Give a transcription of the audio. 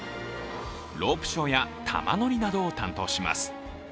ロープショーや玉乗りなどを担当します。